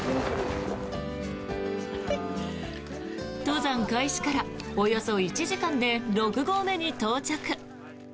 登山開始からおよそ１時間で六合目に到着。